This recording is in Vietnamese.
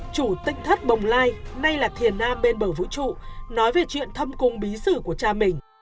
chủ tịch thất bồng lai nay là thiền nam bên bờ vũ trụ nói về chuyện thâm cung bí sử của cha mình